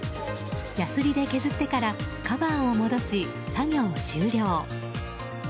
やすりで削ってからカバーを戻し、作業終了。